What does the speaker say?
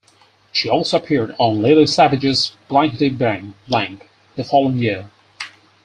She also appeared on Lily Savage's Blankety Blank the following year.